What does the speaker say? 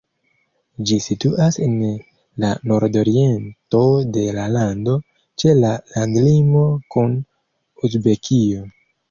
Ĝi situas en la nordoriento de la lando, ĉe la landlimo kun Uzbekio.